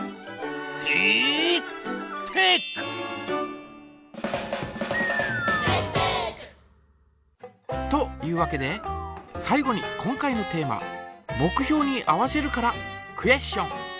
「テイクテック」！というわけで最後に今回のテーマ「目標に合わせる」からクエスチョン。